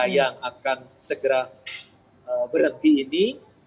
yang akan segera berhenti ini